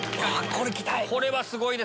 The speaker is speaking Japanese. これはすごいです。